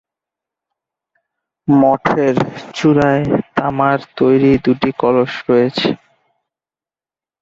মঠের চুড়ায় তামার তৈরি দুটি কলস রয়েছে।